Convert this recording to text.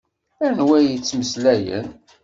Anwa i d-yettmeslayen?